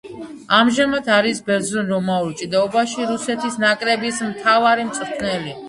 ამჟამად არის ბერძნულ-რომაულ ჭიდაობაში რუსეთის ნაკრების მთავარი მწვრთნელი.